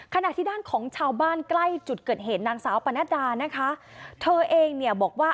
ขณะที่ด้านของชาวบ้านใกล้จุดเกิดเหตุนางสาวปนัดดานะคะเธอเองเนี่ยบอกว่า